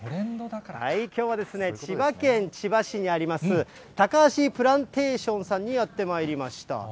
きょうは千葉県千葉市にあります、タカハシプランテーションさんにやってまいりました。